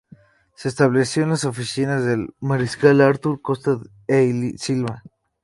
Se estableció en la oficina del mariscal Arthur Costa e Silva.